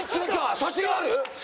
写真ある？